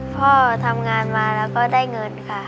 พ่อทำงานมาแล้วก็ได้เงินค่ะ